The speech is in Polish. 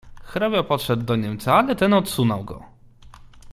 "Hrabia podszedł do niemca, ale ten odsunął go."